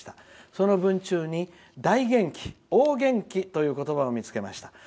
その文中に大元気という言葉を見つけました。